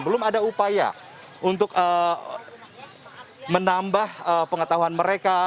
belum ada upaya untuk menambah pengetahuan mereka